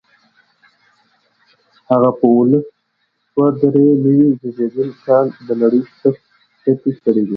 هغه په اوولس سوه درې نوي زېږدیز کال له نړۍ سترګې پټې کړې.